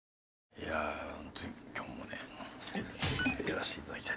いやあ本当に今日もねやらせていただきたいと。